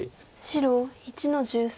白１の十三。